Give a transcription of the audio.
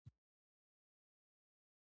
د هغه لپاره یې واګونونه وپېرل.